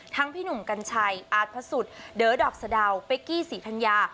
พี่หนุ่มกัญชัยอาร์ตพระสุทธิ์เดอดอกสะดาวเป๊กกี้ศรีธัญญา